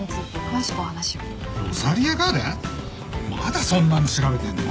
まだそんなの調べてるの？